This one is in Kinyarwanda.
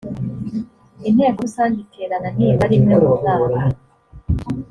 inteko rusange iterana nibura rimwe mu mwaka.